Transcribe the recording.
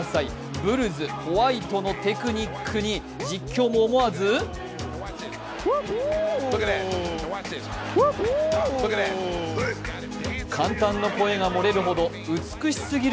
ブルズ・ホワイトのテクニックに実況も思わず感嘆の声が漏れるほど、美しすぎる